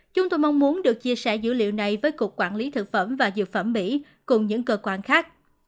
chúng tôi mong muốn được chia sẻ dữ liệu này với cục quản lý thực phẩm và dược phẩm mỹ cùng những cơ quan khác